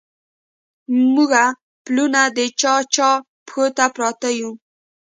موږه پلونه د چا، چا پښو ته پراته يو